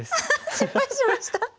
ああ失敗しました。